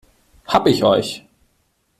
Hab ich euch!